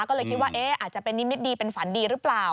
ก็เลยคิดว่าอาจจะเป็นนิมิตดีเป็นฝันดีหรือเปล่า